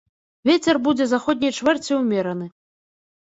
Вецер будзе заходняй чвэрці ўмераны.